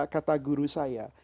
kata guru saya